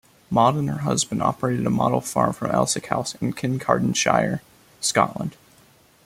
Maud and her husband operated a model farm from Elsick House, in Kincardineshire, Scotland.